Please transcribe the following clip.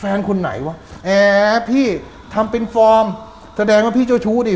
คนไหนวะแอพี่ทำเป็นฟอร์มแสดงว่าพี่เจ้าชู้ดิ